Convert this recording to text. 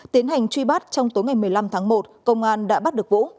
tiến hành truy bắt trong tối ngày một mươi năm tháng một công an đã bắt được vũ